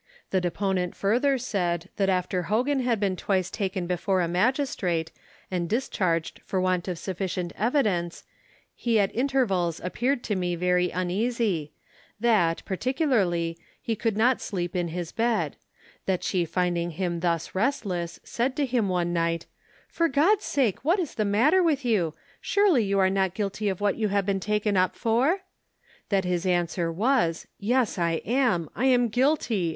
The deponent further said, that after Hogan had been twice taken before a magistrate, and discharged for want of sufficient evidence, he at intervals appeared to me very uneasy; that, particularly, he could not sleep in his bed; that she finding him thus restless, said to him one night, "For God's sake what is the matter with you? Surely you are not guilty of what you have been taken up for?" That his answer was, "Yes, I am! I am guilty!